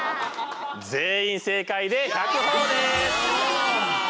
全員正解で１００ほぉです！